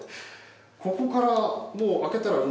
ここからもう開けたら海？